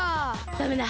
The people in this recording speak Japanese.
ダメだ！